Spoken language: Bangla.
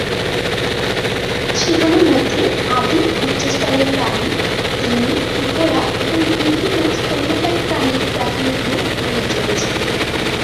সেগুলোর মধ্যে আদিম উচ্চস্তরের প্রাণী, তিমি, ঘোড়া এবং বিভিন্ন স্তন্যপায়ী প্রাণীর প্রাথমিক রূপ উল্লেখযোগ্য ছিল।